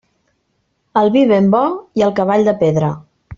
El vi ben bo i el cavall de pedra.